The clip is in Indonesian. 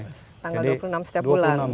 tanggal dua puluh enam setiap bulan